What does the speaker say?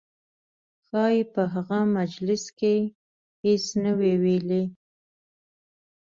ښایي په هغه مجلس کې هېڅ نه وي ویلي.